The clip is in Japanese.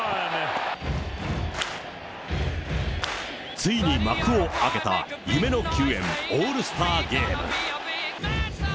ついに幕を開けた夢の球宴、オールスターゲーム。